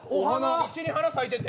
道に花咲いてて。